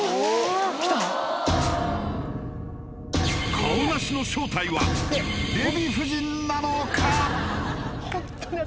カオナシの正体はデヴィ夫人なのか？